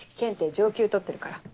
上級取ってるから。